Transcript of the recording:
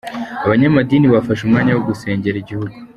Abanyamadini bafashe umwanya wo gusengera igihugu.